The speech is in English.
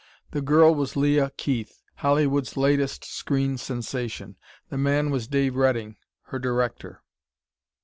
The girl was Leah Keith, Hollywood's latest screen sensation. The man was Dave Redding, her director.